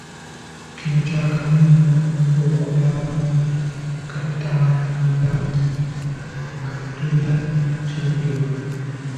Kino kya kabi nnyo okumala gatambula nga tolina kiluubirirwa.